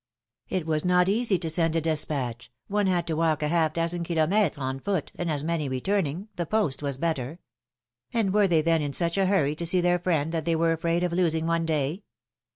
It was not easy to send a despatch ; one had to walk a half dozen IcilomUres on foot, and as many returning; the post was better. And were they then in such a hurry to see their friend that they were afraid of losing one day?"